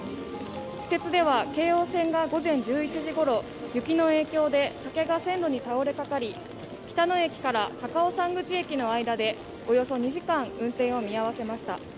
私鉄では京王線が午前１１時ごろ雪の影響で竹が線路に倒れかかり、北野−高尾山口駅の間でおよそ２時間、運転を見合わせました。